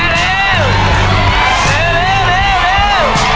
เล็กสอง